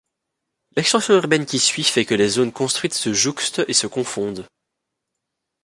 L'extension urbaine qui suit fait que les zones construites se jouxtent et se confondent.